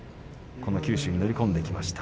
この九州に乗り込んできました。